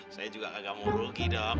saya juga gak mau rugi dong